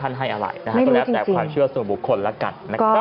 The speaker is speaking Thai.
แต่ถ่ายความเชื่อส่วนบุคคลละกัน